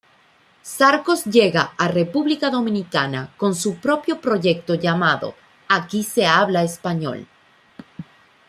Sarcos llega a República Dominicana con su propio proyecto llamado "Aquí se habla español".